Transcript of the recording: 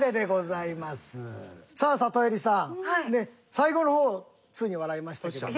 最後の方ついに笑いましたけども。